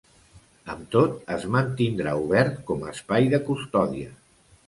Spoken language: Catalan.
Amb tot es mantindrà obert com espai de custòdia.